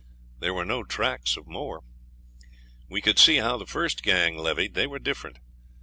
There were no tracks of more. We could see how the first gang levied; they were different.